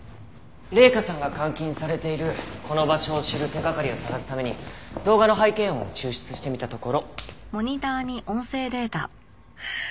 麗華さんが監禁されているこの場所を知る手掛かりを探すために動画の背景音を抽出してみたところ。